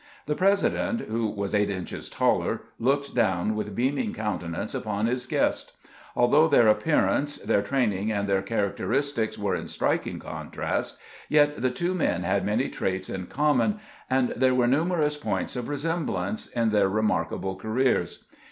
The President, who was eight inches taller, looked down with beaming countenance upon his guest. Although their appearance, their train ing, and their characteristics were in striking contrast, yet the two men had many traits in common, and there were numerous points of resemblance in their remark able careers.